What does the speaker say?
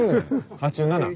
８７。